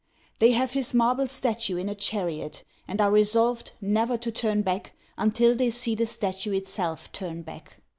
They have his marble statue in a chariot, and are resolved never to turn back until they see the statue itself turn back.